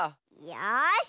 よし。